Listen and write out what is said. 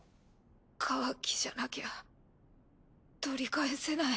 カワキじゃなきゃ取り返せない。